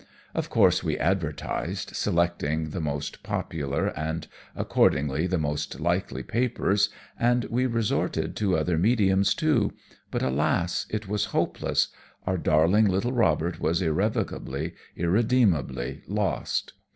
Of course, we advertised, selecting the most popular and, accordingly, the most likely papers, and we resorted to other mediums, too, but, alas! it was hopeless. Our darling little Robert was irrevocably, irredeemably lost.